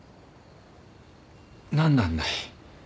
何なんだい。